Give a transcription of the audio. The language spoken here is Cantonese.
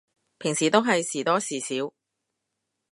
平時都係時多時少